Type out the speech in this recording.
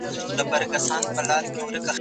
تاسو د پښتو ژبې لپاره څومره وخت ورکوئ؟